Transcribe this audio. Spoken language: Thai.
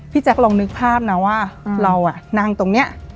พี่แจ๊คลองนึกภาพนะว่าเราอะนั่งตรงเนี่ย